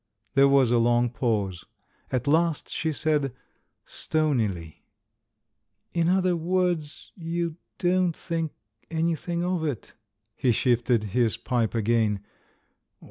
There was a long pause. At last she said, stonily : TIME, THE HUMORIST 289 "In other words, you don't think anything of it?" He shifted the pipe again.